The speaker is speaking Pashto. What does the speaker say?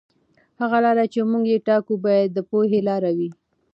هغه لاره چې موږ یې ټاکو باید د پوهې لاره وي.